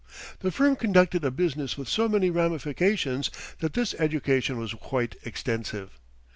The firm conducted a business with so many ramifications that this education was quite extensive.